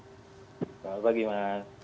selamat pagi mas